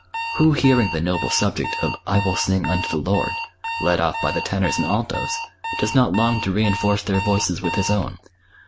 Who hearing the noble subject of 'I will sing unto the Lord,' led off by the tenors and altos, does not long to reinforce their voices with his own?